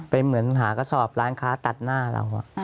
เป็นเหมือนหากระสอบร้านค้าตัดหน้าเรา